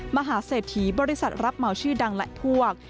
มหาเศรษฐีบริษัทรับเหมาชื่อดังและพวก